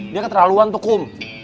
dia keterlaluan tuh kum